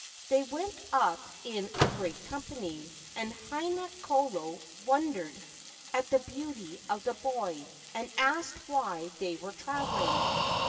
They went up in a great company, and Haina kolo wondered at the beauty of the boy, and asked why they were travelling.